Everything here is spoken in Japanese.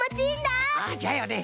ああじゃよね。